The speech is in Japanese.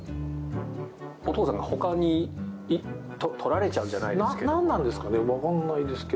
お父さんがほかに取られちゃうじゃないですけど。